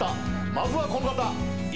まずはこの方！